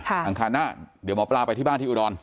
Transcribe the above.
อังคารหน้าเดี๋ยวหมอปลาไปที่บ้านที่อุดร